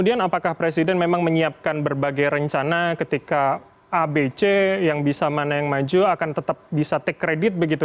dan apakah presiden memang menyiapkan berbagai rencana ketika abc yang bisa mana yang maju akan tetap bisa take credit begitu